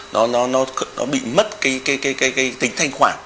nó bị mất tính thanh khoản